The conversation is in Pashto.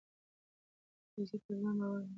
که زه پر ځان باور ونه لرم، اضطراب به زیات شي.